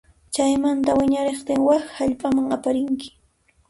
Chaymantaña wiñariqtin wak hallp'aman apanki.